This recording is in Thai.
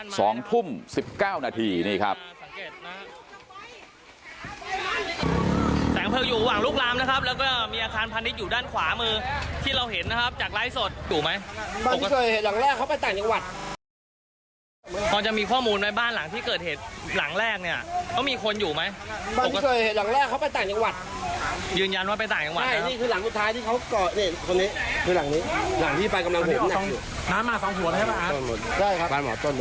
สองทุ่มสิบเก้านาทีนี่ครับ